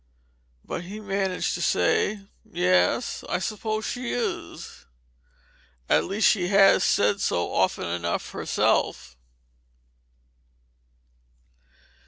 But he managed to say: "Yes, I suppose she is at least she has said so often enough herself."